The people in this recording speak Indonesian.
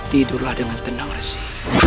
tidurlah dengan tenang resi